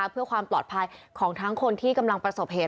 เพื่อความปลอดภัยของทั้งคนที่กำลังประสบเหตุ